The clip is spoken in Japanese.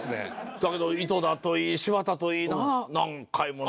だけど井戸田といい柴田といい何回もな。